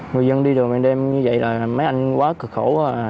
người dân đi đường đêm như vậy là mấy anh quá cực khổ